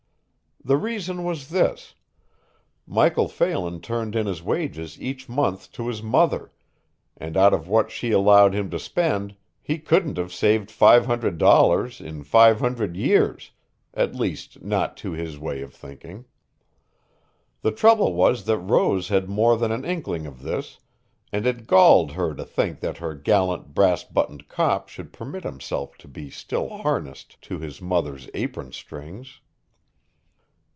The reason was this Michael Phelan turned in his wages each month to his mother, and out of what she allowed him to spend he couldn't have saved $500 in five hundred years, at least not to his way of thinking. The trouble was that Rose had more than an inkling of this, and it galled her to think that her gallant brass buttoned cop should permit himself to be still harnessed to his mother's apron strings.